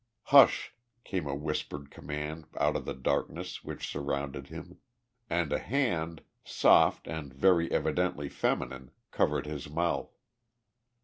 '" "Hush!" came a whispered command out of the darkness which surrounded him, and a hand, soft and very evidently feminine, covered his mouth.